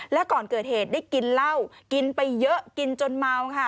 และก่อนเกิดเหตุได้กินเหล้ากินไปเยอะกินจนเมาค่ะ